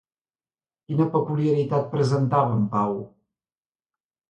Quina peculiaritat presentava en Pau?